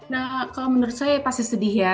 nah kalau menurut saya pasti sedih ya